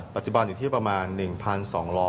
ปัจจุบันอยู่ที่ประมาณ๑๒๙๐เยต่ออน